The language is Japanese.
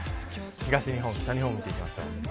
東日本、北日本を見ていきましょう。